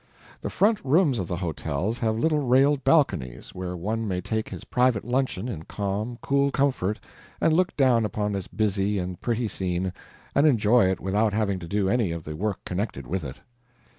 The front rooms of the hotels have little railed balconies, where one may take his private luncheon in calm, cool comfort and look down upon this busy and pretty scene and enjoy it without having to do any of the work connected with it.